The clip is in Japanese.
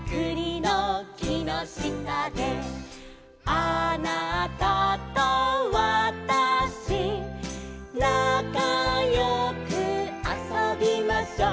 「あなたとわたし」「なかよくあそびましょう」